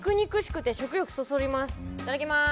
いただきます。